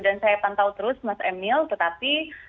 dan saya pantau terus mas emil tetapi